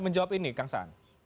jawab ini kang san